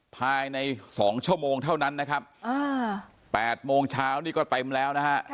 ภายใน๒ชั่วโมงเท่านั้นนะครับ๘โมงเช้านี่ก็เต็มแล้วนะฮะ